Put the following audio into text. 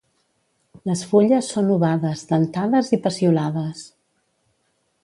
Les fulles són ovades dentades i peciolades.